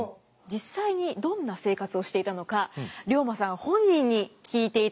実際にどんな生活をしていたのか龍馬さん本人に聞いていただきたいと思います。